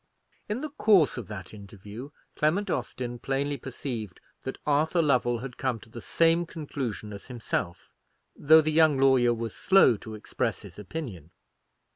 In the course of that interview, Clement Austin plainly perceived that Arthur Lovell had come to the same conclusion as himself, though the young lawyer was slow to express his opinion.